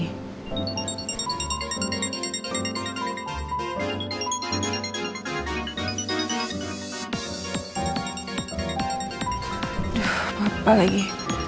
aduh papa lagi